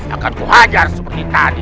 akanku hajar seperti tadi